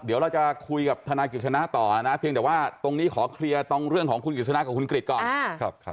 เดี๋ยวเราจะคุยกับทนายกฤษณะต่อนะเพียงแต่ว่าตรงนี้ขอเคลียร์ตรงเรื่องของคุณกิจสนากับคุณกริจก่อน